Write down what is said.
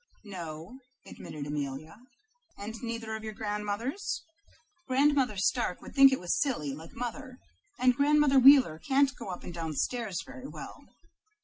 "No," admitted Amelia. "And neither of your grandmothers?" "Grandmother Stark would think it was silly, like mother, and Grandmother Wheeler can't go up and down stairs very well."